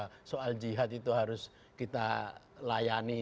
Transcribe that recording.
masalah jihad itu harus kita layani